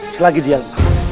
selagi dia lemah